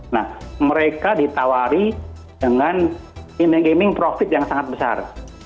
nah mereka ditawari dengan in the gaming profit yang sangat besar